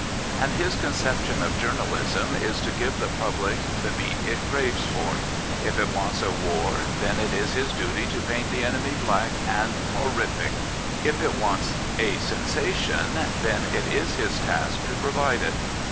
And his conception of journalism is to give the public the meat it craves for. If it wants a war, then it is his duty to paint the enemy black and horrific; if it wants a sensation, then it is his task to provide it.